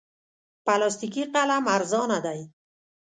پلاستیکي قلم ارزانه دی.